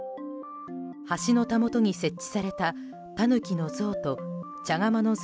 橋のたもとに設置されたタヌキの像と、茶釜の像